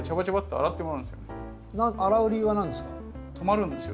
洗う理由は何ですか？